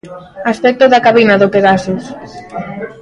Aspecto da cabina do Pegasus.